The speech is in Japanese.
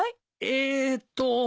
えっと。